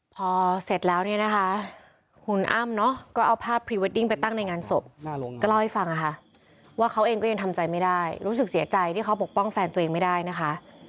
พอเสร็จแล้วเนี่ยนะคะคุณอ้ำเนาะก็เอาภาพพรีเวดดิ้งไปตั้งในงานศพก็เล่าให้ฟังค่ะว่าเขาเองก็ยังทำใจไม่ได้รู้สึกเสียใจที่เขาปกป้องแฟนตัวเองไม่ได้นะคะ